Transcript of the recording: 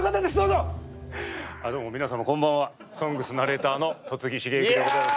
どうも皆様こんばんは「ＳＯＮＧＳ」ナレーターの戸次重幸でございます。